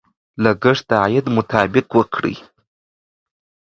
لګښت د عاید مطابق وکړئ.